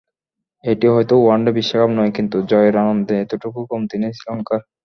এটি হয়তো ওয়ানডে বিশ্বকাপ নয়, কিন্তু জয়ের আনন্দে এতটুকু কমতি নেই শ্রীলঙ্কার।